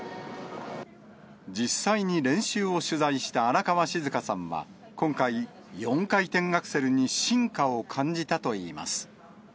実際に練習を取材した荒川静香さんは、今回、４回転アクセルに進化を感じたといいます。